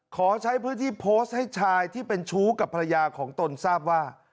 ขอใช้พื้นที่โพสต์ให้ชายที่เป็นชู้กับภรรยาของตนทราบว่า